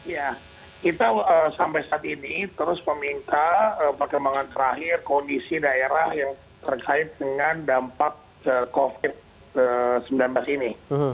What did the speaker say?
ya kita sampai saat ini terus meminta perkembangan terakhir kondisi daerah yang terkait dengan dampak covid sembilan belas ini